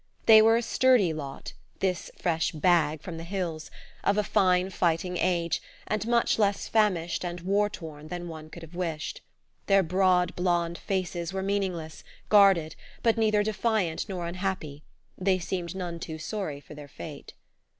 They were a sturdy lot, this fresh "bag" from the hills, of a fine fighting age, and much less famished and war worn than one could have wished. Their broad blond faces were meaningless, guarded, but neither defiant nor unhappy: they seemed none too sorry for their fate.